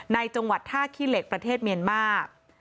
ในจังหวัดท่าขี้เหล็กประเทศเมียนมาร์